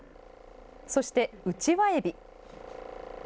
そして、うちわエビ。